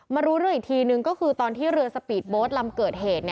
รู้เรื่องอีกทีนึงก็คือตอนที่เรือสปีดโบสต์ลำเกิดเหตุ